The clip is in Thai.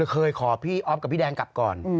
เคยขอพี่อ๊อฟกับพี่แดงกลับก่อน